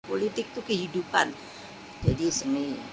politik itu kehidupan jadi seni